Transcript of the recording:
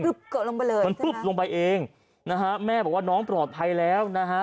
เกิดลงไปเลยมันปึ๊บลงไปเองนะฮะแม่บอกว่าน้องปลอดภัยแล้วนะฮะ